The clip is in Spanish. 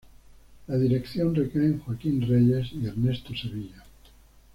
La dirección recae en Joaquín Reyes y Ernesto Sevilla.